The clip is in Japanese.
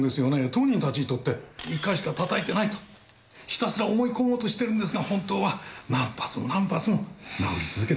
当人たちにとって１回しかたたいてないとひたすら思い込もうとしてるんですが本当は何発も何発も殴り続けていたっていう。